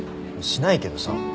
しないけどさ。